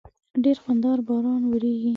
ډېر خوندور باران وریږی